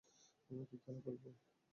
আমরা কি খেলা খেলব?